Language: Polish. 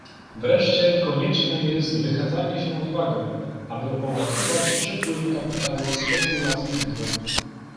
Wreszcie konieczne jest wykazanie się odwagą, aby opodatkować przepływy kapitału spekulacyjnego